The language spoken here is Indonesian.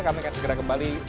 kami akan segera kembali